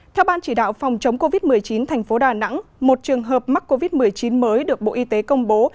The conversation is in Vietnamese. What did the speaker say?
theo ban chỉ đạo phòng chống covid một mươi chín thành phố đà nẵng một trường hợp mắc covid một mươi chín mới được bộ y tế công bố